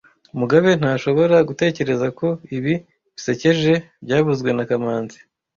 Mugabe ntashobora gutekereza ko ibi bisekeje byavuzwe na kamanzi